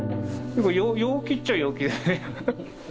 陽気っちゃ陽気だね。